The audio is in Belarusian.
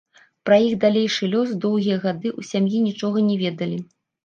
Пра іх далейшы лёс доўгія гады ў сям'і нічога не ведалі.